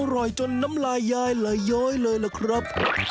อร่อยจนน้ำลายยายไหลย้อยเลยล่ะครับ